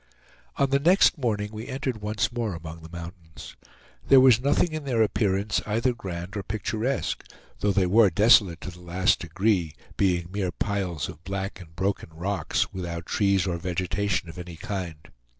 On the next morning we entered once more among the mountains. There was nothing in their appearance either grand or picturesque, though they were desolate to the last degree, being mere piles of black and broken rocks, without trees or vegetation of any kind.